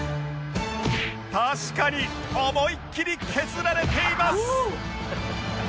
確かに思いっきり削られています